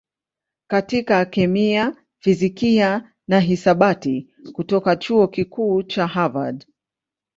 katika kemia, fizikia na hisabati kutoka Chuo Kikuu cha Harvard.